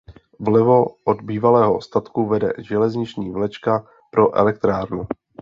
Vlevo od bývalého statku vede železniční vlečka pro elektrárnu.